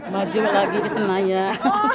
maju lagi ke senayan